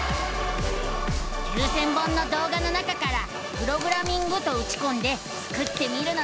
９，０００本の動画の中から「プログラミング」とうちこんでスクってみるのさ！